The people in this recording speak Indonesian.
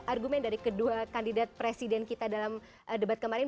argumen dari kedua kandidat presiden kita dalam debat kemarin